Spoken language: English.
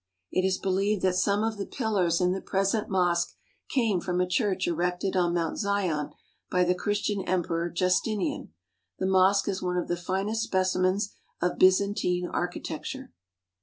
It is believed that some of the pillars in the present mosque came from a church erected on Mount Zion by the Christian Emperor Justinian. The mosque is one of the finest specimens of Byzantine architecture.